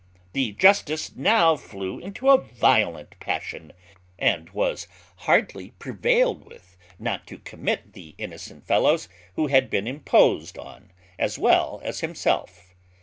The justice now flew into a violent passion, and was hardly prevailed with not to commit the innocent fellows who had been imposed on as well as himself.